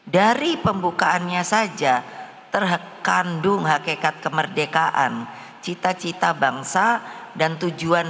dari pembukaannya saja terkandung hakikat kemerdekaan cita cita bangsa dan tujuan